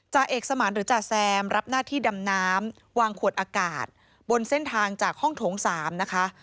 จ่าเอกสมานหรือจ่าแซมรับหน้าที่ดำน้ำวางขวดอากาศบนเส้นทางจากห้องโถง๓นะคะ